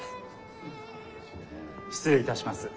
失礼いたします。